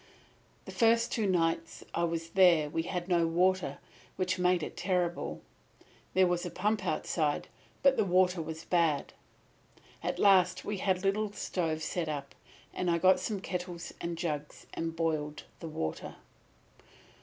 The first two nights I was there we had no water, which made it terrible. There was a pump outside, but the water was bad. At last we had a little stove set up, and I got some kettles and jugs and boiled the water.